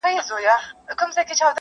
o د پښتانه بېره په سترگو کي ده.